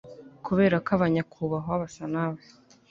Kuberako aba nyakubahwa basa nawe